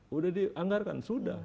sudah dianggarkan sudah